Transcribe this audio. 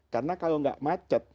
karena kalau tidak macet